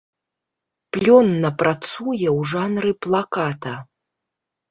Плённа працуе ў жанры плаката.